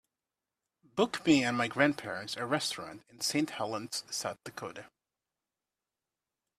book me and my grandparents a restaurant in Saint Helens South Dakota